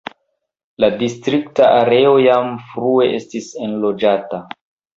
La distrikta areo jam frue estis enloĝata.